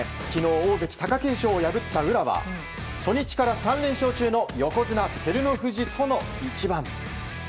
昨日、大関・貴景勝を破った宇良は初日から３連勝中の横綱・照ノ富士との一番。